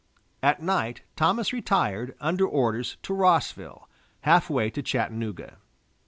At night, Thomas retired, under orders, to Rossville, half way to Chattanooga.